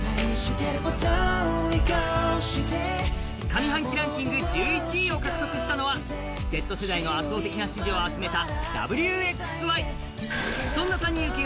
上半期ランキング１１位を獲得したのはＺ世代の圧倒的な支持を集めた「Ｗ／Ｘ／Ｙ」。